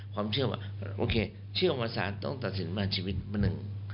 ความเชื่อว่าโอเคเชื่อว่าสารต้องตัดสินมาชีวิตมะหนึ่ง